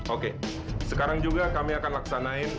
oke sekarang juga kami akan laksanain